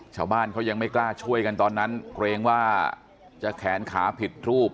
ชาวบ้านเขายังไม่กล้าช่วยกันตอนนั้นเกรงว่าจะแขนขาผิดรูป